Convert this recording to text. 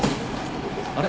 あれ？